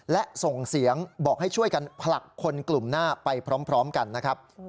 และส่งเสียงบอกให้ช่วยกันผลักคนกลุ่มหน้าไปพร้อมกันนะครับ